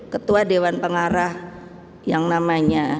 ketua dewan pengarah yang namanya